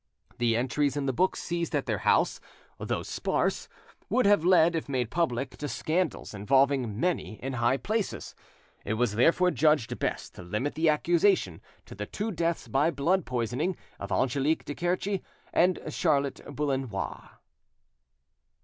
The entries in the books seized at their house, though sparse, would have led, if made public, to scandals, involving many in high places; it was therefore judged best to limit the accusation to the two deaths by blood poisoning of Angelique de Querchi and Charlotte Boullenois.